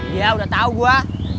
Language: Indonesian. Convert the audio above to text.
iya udah tau gua